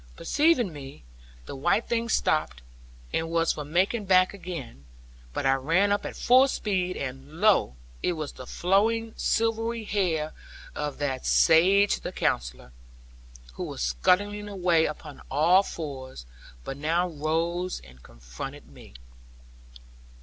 Perceiving me, the white thing stopped, and was for making back again; but I ran up at full speed; and lo, it was the flowing silvery hair of that sage the Counsellor, who was scuttling away upon all fours; but now rose and confronted me.